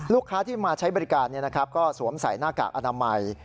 ลูกค้าที่มาใช้บริการก็สวมใส่หน้ากากอนามัย